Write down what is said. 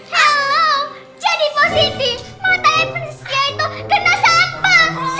halo jadi positif mata ebenzia itu kena sampah sampah